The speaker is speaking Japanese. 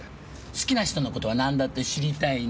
好きな人の事は何だって知りたいの。